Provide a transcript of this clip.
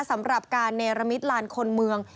สำหรับการเนรมิตลานคนเมือง